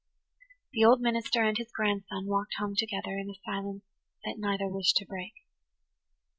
The old minister and his grandson walked home together in a silence that neither wished to break.